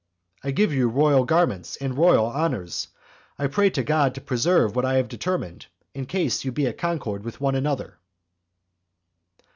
I give you royal garments, and royal honors; and I pray to God to preserve what I have determined, in case you be at concord one with another."